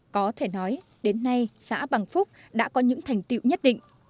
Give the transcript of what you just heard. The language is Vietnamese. có thể nói đến nay xã bằng phúc đã có những thành tiệu nhất định